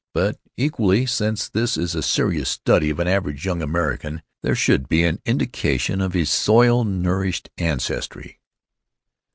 But equally, since this is a serious study of an average young American, there should be an indication of his soil nourished ancestry.